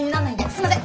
すいません。